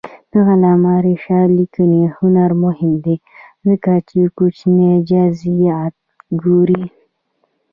د علامه رشاد لیکنی هنر مهم دی ځکه چې کوچني جزئیات ګوري.